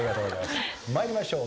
参りましょう。